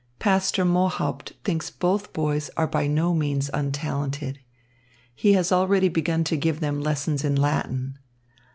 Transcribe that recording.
Pastor Mohaupt thinks both boys are by no means untalented. He has already begun to give them lessons in Latin.